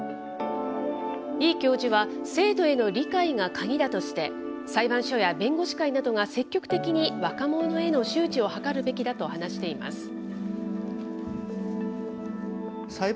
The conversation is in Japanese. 飯教授は、制度への理解が鍵だとして、裁判所や弁護士会などが積極的に若者への周知を図るべきだと話しています。